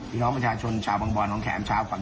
วิทยาคมชาวบางบอลหลองแขม